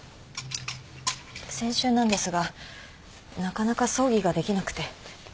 先週なんですがなかなか葬儀ができなくて。